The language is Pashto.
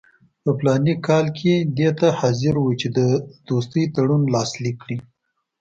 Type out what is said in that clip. په فلاني کال کې دې ته حاضر وو چې د دوستۍ تړون لاسلیک کړي.